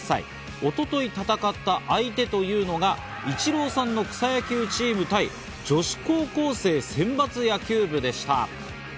一昨日、戦った相手というのがイチローさんの草野球チーム対女子高校生選抜野球部でした。